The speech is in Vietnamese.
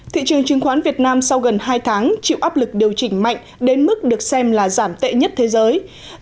thị trường chứng khoán việt nam sau gần hai tháng chịu áp lực điều chỉnh mạnh đến mức được xem là giảm tệ nhất thế giới